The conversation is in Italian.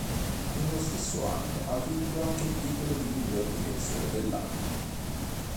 Nello stesso anno ha vinto anche il titolo di miglior difensore dell'anno.